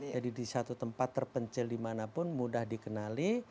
jadi di satu tempat terpencil dimanapun mudah dikenali